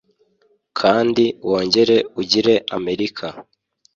Kandi wongere ugire Amerika